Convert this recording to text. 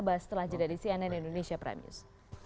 bahas setelah jeda di cnn indonesia prime news